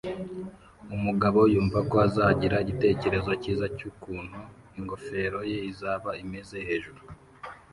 umugabo yumva ko azagira igitekerezo cyiza cyukuntu ingofero ye izaba imeze hejuru